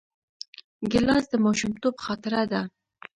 ګیلاس د ماشومتوب خاطره ده.